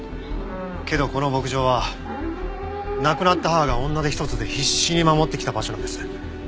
けどこの牧場は亡くなった母が女手一つで必死に守ってきた場所なんです。